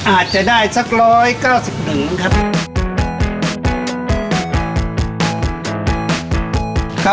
อาจจะได้สัก๑๙๑ครับ